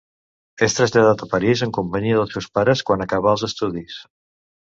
És traslladat a París en companyia dels seus pares quan acabà els estudis.